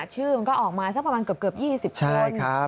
ชื่อมันก็ออกมาสักประมาณเกือบ๒๐คน